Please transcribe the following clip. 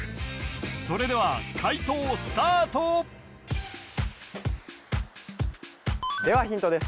それでは解答スタートではヒントです